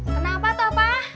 kenapa toh pak